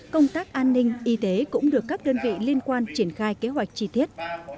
công tác an ninh y tế cũng được các đơn vị liên quan triển khai kế hoạch chi tiết